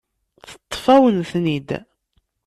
Teṭṭef-awen-ten-id.